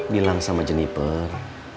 bilang sama jeniper